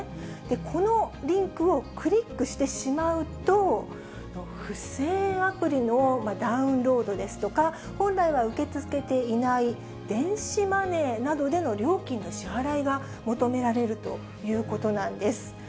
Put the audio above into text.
このリンクをクリックしてしまうと、不正アプリのダウンロードですとか、本来は受け付けていない電子マネーなどでの料金の支払いが求められるということなんです。